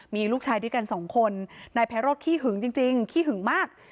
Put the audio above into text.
มีลูกชายด้วยกันสองคนนายไพโรธขี้หึงจริงขี้หึงมาก